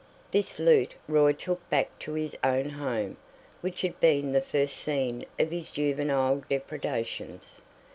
This loot Roy took back to his own home, which had been the first scene of his juvenile depredations.